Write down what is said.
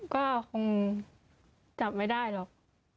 ก็คงจับไม่ได้หรอก